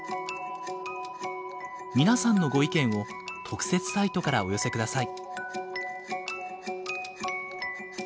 皆さんのご意見を特設サイトからお寄せください。